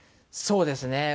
そうですね。